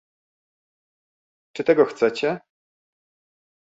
czy tego chcecie?